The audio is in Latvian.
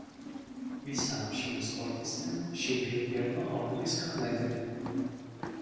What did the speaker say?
Visām šīm sportistēm šī bija pirmā olimpiskā medaļa.